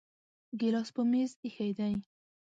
ګلاس په میز ایښی دی